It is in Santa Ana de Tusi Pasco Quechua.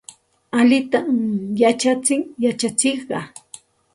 Allintam yachachin yachachiqqa.